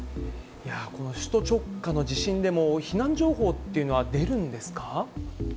この首都直下の地震でも、避難情報っていうのは出るんですか。